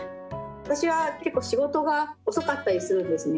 私は結構仕事が遅かったりするんですね。